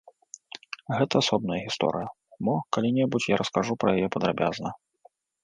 Гэта асобная гісторыя, мо калі-небудзь я раскажу пра яе падрабязна.